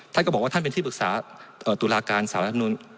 ท่านก็บอกว่าท่านเป็นที่ปรึกษาตุลาการสารรัฐมนุน